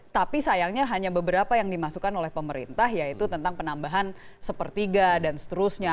tapi sayangnya hanya beberapa yang dimasukkan oleh pemerintah yaitu tentang penambahan sepertiga dan seterusnya